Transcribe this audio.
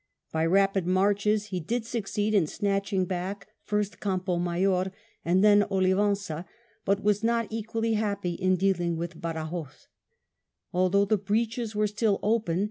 By rapid marches he did succeed in snatching back first Campo Mayor and then 01iven9a, but was not equally happy in dealing with Badajos, although the breaches were still open.